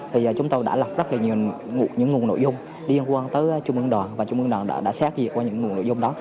thì giờ chúng tôi đã lập rất là nhiều những nguồn nội dung liên quan tới trung ương đoàn và trung ương đoàn đã xét gì qua những nguồn nội dung đó